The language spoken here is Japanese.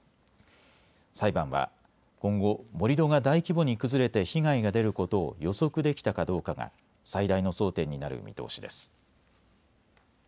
裁判は今後、盛り土が大規模に崩れて被害が出ることを予測できたかどうかが最大の争点になる見通しです。